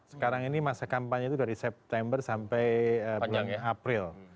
sekarang ini masa kampanye itu dari september sampai bulan april